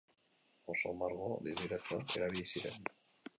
Oso margo distiratsuak erabili ziren.